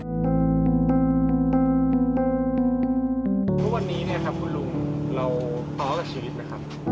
ทุกวันนี้ค่ะคุณลุงเราพอแล้วกับชีวิตนะครับ